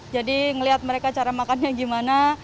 jadi melihat mereka cara makannya gimana